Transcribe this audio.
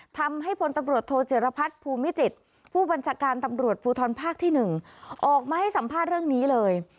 พลตำรวจโทเจรพัฒน์ภูมิจิตรผู้บัญชาการตำรวจภูทรภาคที่๑ออกมาให้สัมภาษณ์เรื่องนี้เลย